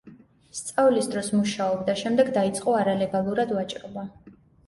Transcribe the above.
სწავლის დროს მუშაობდა, შემდეგ დაიწყო არალეგალურად ვაჭრობა.